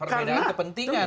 karena perbedaan kepentingan